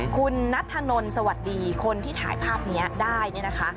คุณนัทธนนท์สวัสดีคนที่ถ่ายภาพนี้ได้เนี่ยนะคะ